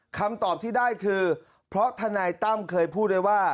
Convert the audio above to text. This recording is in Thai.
คำตอบที่ได้คือเพราะทนายตั้มเคยพูดไว้ว่า